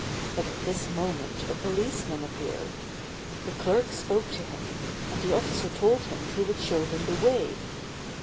But at this moment a policeman appeared. The clerk spoke to him and the officer told him he would show him the way....